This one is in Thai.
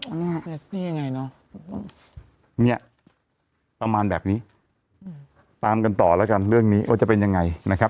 อันนี้ยังไงเนอะเนี่ยประมาณแบบนี้ตามกันต่อแล้วกันเรื่องนี้ว่าจะเป็นยังไงนะครับ